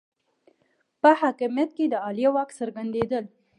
په حاکمیت کې د عالیه واک څرګندېدل